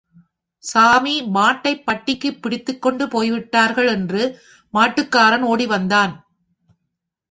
சாமி மாட்டைப் பட்டிக்குப் பிடித்துக்கொண்டு போய்விட்டார்கள் என்று மாட்டுக்காரன் ஓடி வந்தான்.